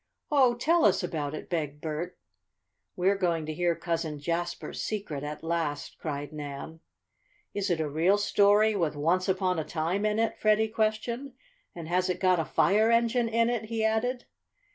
"Oh, tell us about it!" begged Bert. "We're going to hear Cousin Jasper's secret at last!" cried Nan. "Is it a real story, with 'once upon a time' in it?" Freddie questioned. "And has it got a fire engine in it?" he added.